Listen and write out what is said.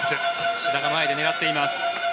志田が前で狙っています。